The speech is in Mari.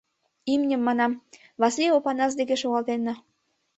Имньым, — манам, — Васлий Опанас деке шогалтена.